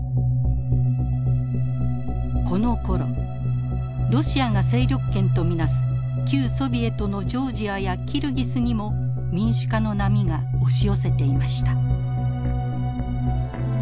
このころロシアが勢力圏と見なす旧ソビエトのジョージアやキルギスにも民主化の波が押し寄せていました。